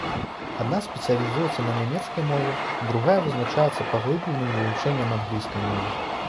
Адна спецыялізуецца на нямецкай мове, другая вызначаецца паглыбленым вывучэннем англійскай мовы.